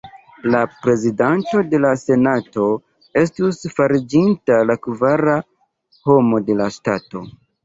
La prezidanto de la senato estus fariĝinta la kvara homo de la ŝtato.